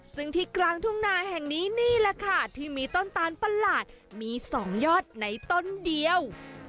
ซึ่งที่กลางทุ่งนาแห่งนี้นี่แหละค่ะที่มีต้นตาลประหลาดมี๒ยอดในต้นเดียว